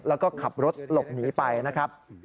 แล้วก็ขับรถหลบหนีไปนะครับ